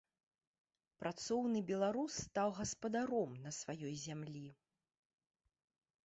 Працоўны беларус стаў гаспадаром на сваёй зямлі.